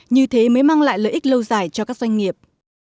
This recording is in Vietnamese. như thế mới mang lại lợi ích lâu dài cho các doanh nghiệp